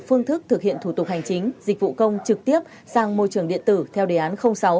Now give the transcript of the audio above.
phương thức thực hiện thủ tục hành chính dịch vụ công trực tiếp sang môi trường điện tử theo đề án sáu